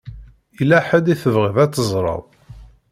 Yella ḥedd i tebɣiḍ ad teẓṛeḍ?